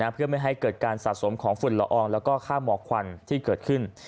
เพื่อไม่ให้เกิดการสะสมของฝุ่นละอองแล้วก็ค่าหมอกควันที่เกิดขึ้น